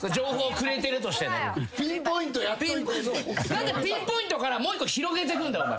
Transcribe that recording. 何でピンポイントからもう一個広げてくんだお前。